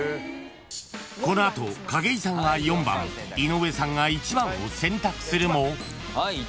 ［この後景井さんが４番井上さんが１番を選択するも］